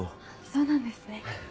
そうなんですね。